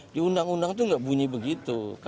di undang undang itu nggak bunyi begitu